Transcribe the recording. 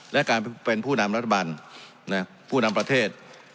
และการเป็นผู้นำรัฐบาลผู้นำประเทศ